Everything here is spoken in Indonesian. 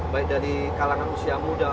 baik dari kalangan usia muda